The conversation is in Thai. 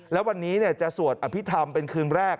แล้ววันนี้จะสวดอภิษฐรรมเป็นคืนแรก